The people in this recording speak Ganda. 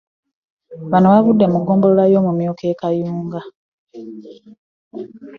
Bano bavudde mu ggombolola ya Mumyuka Kayunga